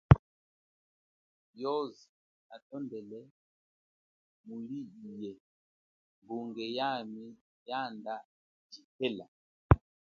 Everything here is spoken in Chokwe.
Yoze natondele, muli iye, bungeyami yanda chihela.